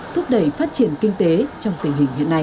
thúc đẩy phát triển kinh tế trong tình hình hiện nay